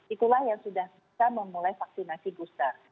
itulah yang sudah bisa memulai vaksinasi booster